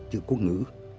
chữ quốc ngữ